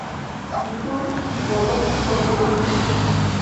نيکه بالښت ته ډډه ووهله.